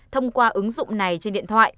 thông qua ứng dụng này trên điện thoại